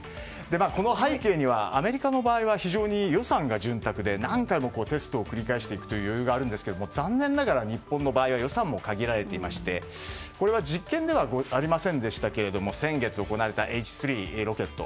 この背景にはアメリカの場合は非常に予算が潤沢で何回もテストを繰り返していくという余裕があるんですけど残念ながら日本は予算が限られこれは実験ではありませんでしたが先月行われたＨ３ロケット。